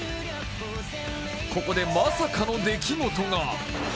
ここで、まさかの出来事が。